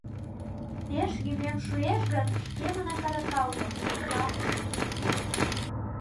Пеш йӱмем шуэш гын, шкемынат арака уло, подылам...